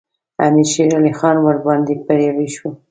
امیر شېرعلي خان ورباندې بریالی شو.